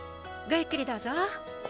ゆっくりどうぞ。